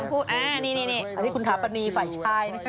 อันนี้คุณทรัพย์ปรณีฝ่ายชาย